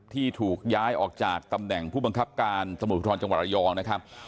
ที่ถูกย้ายออกจากตำแหน่งผู้บังคับการตำรวจภูทรจังหวัดระยองนะครับ